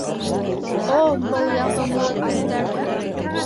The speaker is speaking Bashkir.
О, был яғымлы күҙҙәр!